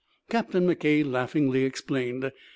Captain McKay laughingly explained.